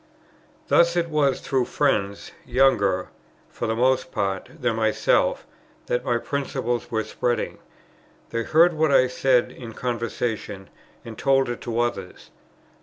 Thus it was through friends, younger, for the most part, than myself, that my principles were spreading. They heard what I said in conversation, and told it to others.